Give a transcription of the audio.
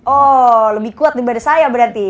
oh lebih kuat daripada saya berarti